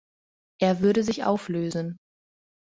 Er würde sich auflösen.